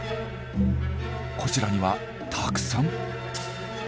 こちらにはたくさん。